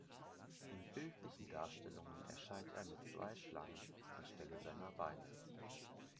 In bildlichen Darstellungen erscheint er mit zwei Schlangen anstelle seiner Beine.